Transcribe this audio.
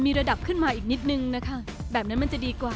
ระดับขึ้นมาอีกนิดนึงนะคะแบบนั้นมันจะดีกว่า